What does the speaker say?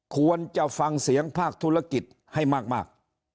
ควรจะฟังเสียงภาคธุรกิจให้มาก